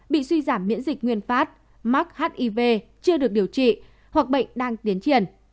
bị suy giảm miễn dịch nguyên phát mắc hiv chưa được điều trị hoặc bệnh đang tiến triển